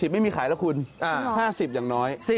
ไม่มีขายแล้วคุณ๕๐อย่างน้อย